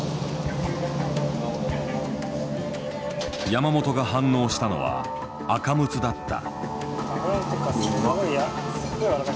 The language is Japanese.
山本が反応したのはアカムツだった。